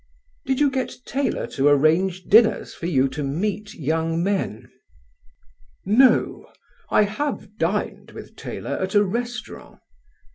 "Did you get Taylor to arrange dinners for you to meet young men?" "No; I have dined with Taylor at a restaurant."